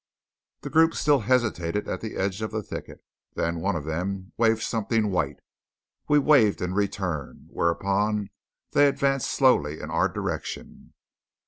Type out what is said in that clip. The group still hesitated at the edge of the thicket. Then one of them waved something white. We waved in return; whereupon they advanced slowly in our direction.